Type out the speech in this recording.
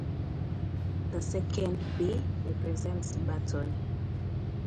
The second B represents Barton.